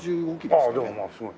ああでもまあすごい。